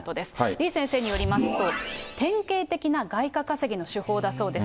李先生によりますと、典型的な外貨稼ぎの手法だそうです。